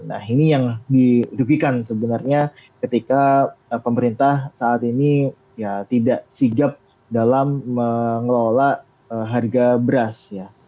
nah ini yang dirugikan sebenarnya ketika pemerintah saat ini ya tidak sigap dalam mengelola harga beras ya